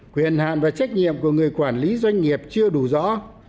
quyền hạn và trách nhiệm của người quản lý doanh nghiệp chưa đủ rõ